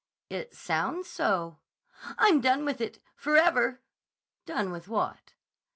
"It sounds so." "I'm done with it. Forever." "Done with what?"